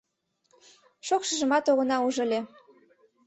Шокшыжымат огына уж ыле.